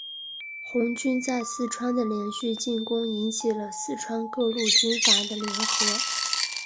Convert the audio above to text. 红军在四川的连续进攻引起了四川各路军阀的联合。